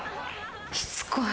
しつこい。